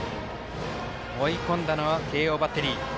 追い込んだのは慶応バッテリー。